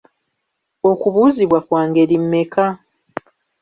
Okubuuzibwa kwa ngeri mmeka?